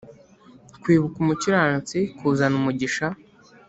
Kwibuka umukiranutsi kuzana umugisha